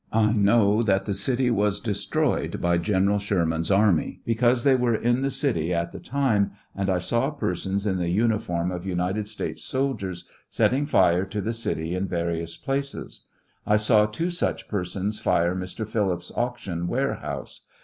I know that the city was destroyed by General Sherman's army, because they were in the city at the time, and I saw p.ersons in the uniform of United States soldiers setting fire to the city in various places, I saw two such persons fire Mr. Phillips' auction warehouse.